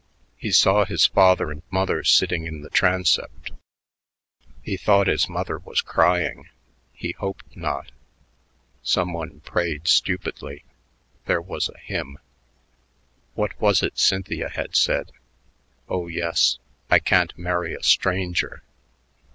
He saw his father and mother sitting in the transept. He thought his mother was crying. He hoped not.... Some one prayed stupidly. There was a hymn.... What was it Cynthia had said? Oh, yes: "I can't marry a stranger."